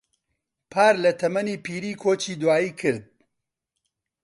پار لە تەمەنی پیری کۆچی دوایی کرد.